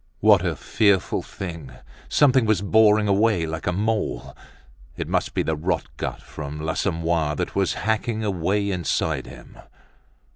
What a fearful thing, something was boring away like a mole! It must be the rotgut from l'Assommoir that was hacking away inside him.